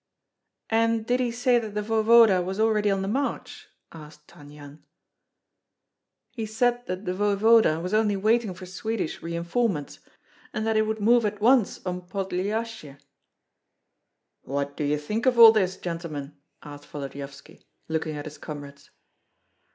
'" "And did he say that the voevoda was already on the march?" asked Tan Yan. "He said that the voevoda was only waiting for Swedish reinforcements, and that he would move at once on Podlyasye." "What do you think of all this, gentlemen?" asked Volodyovski, looking at his comrades.